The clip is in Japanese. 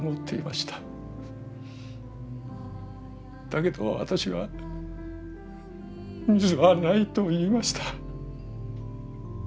だけど私は「水はない」と言いました。